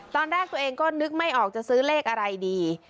ตอนแรกตัวเองก็นึกไม่ออกจะซื้อเลขอะไรดี